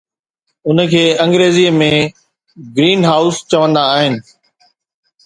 ان کي انگريزيءَ ۾ Green House چوندا آهن